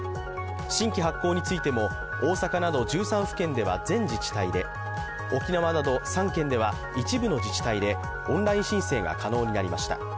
新規発行についても大阪など１３府県では全自治体で、沖縄など３県では一部の自治体でオンライン申請が可能になりました。